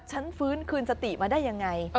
ฟื้นคืนสติมาได้ยังไง